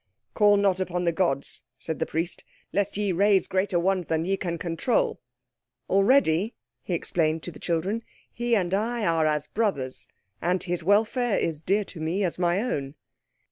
"Call not upon the gods," said the Priest, "lest ye raise greater ones than ye can control. Already," he explained to the children, "he and I are as brothers, and his welfare is dear to me as my own."